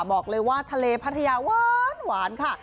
บอกเลยว่าทะเลพัทยาหวานค่ะ